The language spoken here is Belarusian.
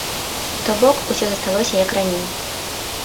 То бок, усё засталося, як раней.